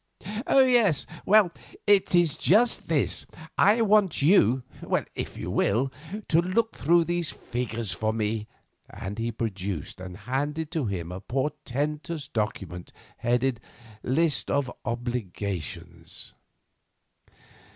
"Oh! yes; well, it is just this. I want you, if you will, to look through these figures for me," and he produced and handed to him a portentous document headed "List of Obligations."